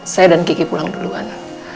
saya dan kiki pulang duluan